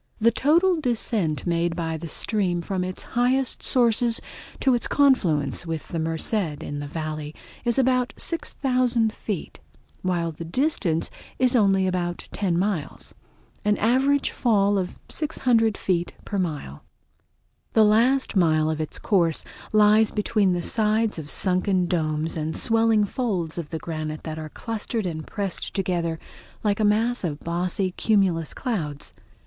The total descent made by the stream from its highest sources to its confluence with the Merced in the Valley is about 6000 feet, while the distance is only about ten miles, an average fall of 600 feet per mile. The last mile of its course lies between the sides of sunken domes and swelling folds of the granite that are clustered and pressed together like a mass of bossy cumulus clouds.